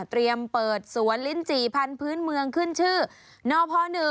เตรียมเปิดสวนลิ้นจี่พันธุ์พื้นเมืองขึ้นชื่อ